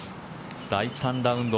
第３ラウンド。